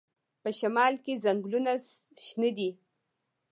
په شمال کې ځنګلونه شنه دي.